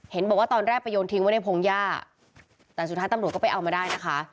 เห็นบอกว่าตอนแรกไปโยนทิ้งไว้ในพงหญ้าแต่สุดท้ายตำรวจก็ไปเอามาได้นะคะ